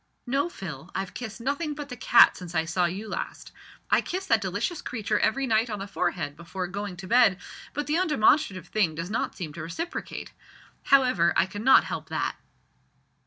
"No, Phil, I've kissed nothing but the cat since I saw you last. I kiss that delicious creature every night on the forehead before going to bed, but the undemonstrative thing does not seem to reciprocate. However, I cannot help that."